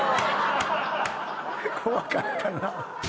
怖かったな。